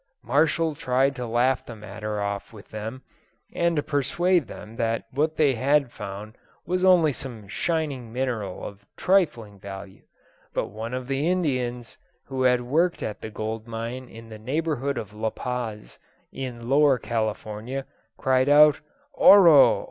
Marshall tried to laugh the matter off with them, and to persuade them that what they had found was only some shining mineral of trifling value; but one of the Indians, who had worked at the gold mine in the neighbourhood of La Paz, in Lower California, cried out, 'Oro!